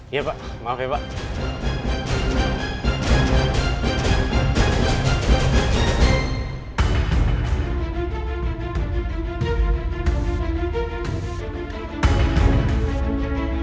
iya pak maaf ya pak